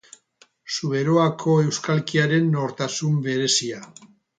Zuberoako euskalkiaren nortasun berezia.